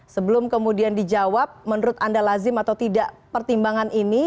sebelum kemudian dijawab menurut anda lazim atau tidak pertimbangan ini